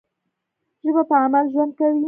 ژبه په عمل ژوند کوي.